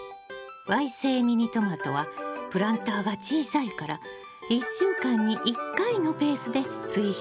わい性ミニトマトはプランターが小さいから１週間に１回のペースで追肥するのよ。